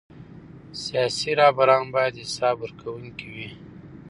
سیاسي رهبران باید حساب ورکوونکي وي